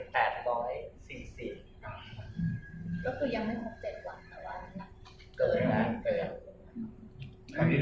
ก็คือยังไม่พบเสร็จหวะแต่ว่านี้